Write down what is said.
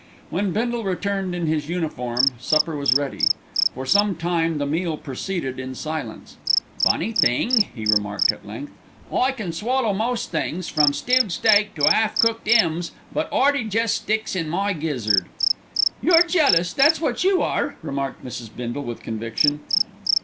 When Bindle returned in his uniform, supper was ready. For some time the meal proceeded in silence. "Funny thing," he remarked at length, "I can swallow most things from stewed steak to 'alf cooked 'ymns, but 'Earty jest sticks in my gizzard." "You're jealous, that's what you are," remarked Mrs. Bindle with conviction.